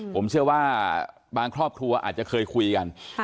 ผมเชื่อว่าบางครอบครัวอาจจะเคยคุยกัน